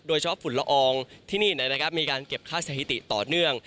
โดยเฉพาะฝุ่นละอองที่นี่นะครับมีการเก็บค่าสถาธิติต่อเนื่อง